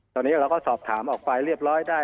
ตอนนี้เราก็สอบถามออกไปเรียบร้อยได้